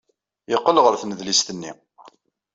Yeqqel ɣer tnedlist-nni.